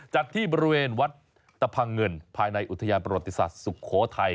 จัดที่บริเวณวัดตะพังเงินภายในอุทยานประวัติศาสตร์สุโขทัย